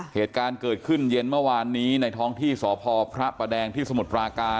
เหตุการณ์เกิดขึ้นเย็นเมื่อวานนี้ในท้องที่สพพระประแดงที่สมุทรปราการ